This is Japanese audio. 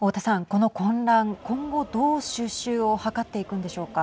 この混乱今後、どう収拾を図っていくんでしょうか。